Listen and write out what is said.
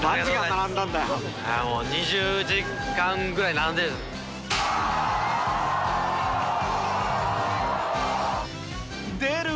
もう２０時間ぐらい並んでる。